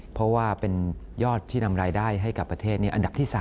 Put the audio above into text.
เพราะว่าเป็นยอดที่นำรายได้ให้กับประเทศอันดับที่๓